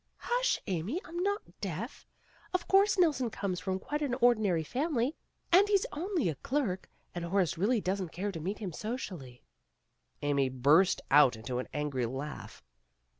"Hush, Amy. I'm not deaf. Of course Nelson comes from quite an ordinary family, and he's only a clerk, and Horace really doesn't care to meet him socially. '' Amy burst into an angry laugh.